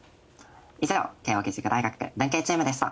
以上慶応義塾大学文系チームでした。